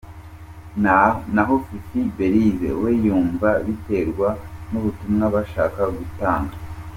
Naho Fifi Belise we yumva biterwa n’ubutumwa bashaka gutanga.